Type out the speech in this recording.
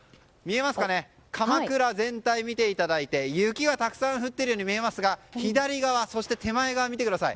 かまくら全体を見ていただいて雪がたくさん降っているように見えますが左側、そして手前側を見てください。